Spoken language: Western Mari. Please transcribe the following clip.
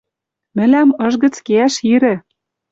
Мӹлӓм ыш гӹц кеӓш ирӹ